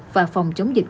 và phòng chống dịch